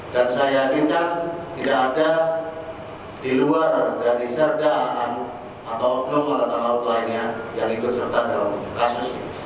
dan saya yakin kan tidak ada di luar dari serdakan atau penuh meletak laut lainnya yang ikut serta dalam kasus ini